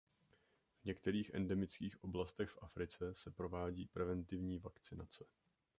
V některých endemických oblastech v Africe se provádí preventivní vakcinace.